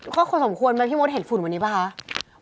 เพราะความสมควรแบบพี่มดเห็นฝุ่นวันนี้เปล่าฮะ